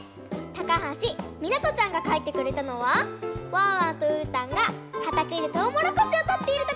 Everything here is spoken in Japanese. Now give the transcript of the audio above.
たかはしみなとちゃんがかいてくれたのはワンワンとうーたんがはたけでとうもろこしをとっているところです。